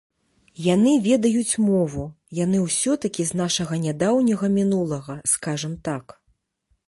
Яны ведаюць мову, яны ўсё-такі з нашага нядаўняга мінулага, скажам так.